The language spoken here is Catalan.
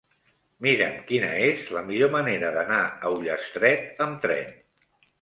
Mira'm quina és la millor manera d'anar a Ullastret amb tren.